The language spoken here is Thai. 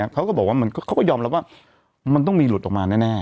เขาก็ยอมรับว่ามันต้องมีหลุดออกมาแน่